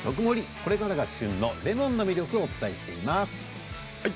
これからが旬のレモンの魅力についてお伝えしています。